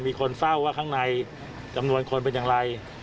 มีคนเฝ้าว่าข้างในจำนวนคนเป็นอย่างไร